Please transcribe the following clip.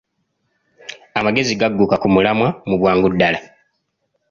Amagezi gagguka ku mulamwa mu bwangu ddala.